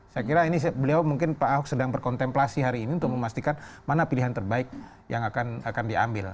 saya kira ini beliau mungkin pak ahok sedang berkontemplasi hari ini untuk memastikan mana pilihan terbaik yang akan diambil